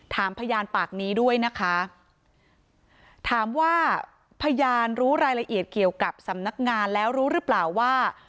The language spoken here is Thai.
ถามพยานปากนี้ด้วยนะคะถามว่าพยานรู้รายละเอียดเกี่ยวกับสำนักงานแล้วรู้หรือเปล่าว่า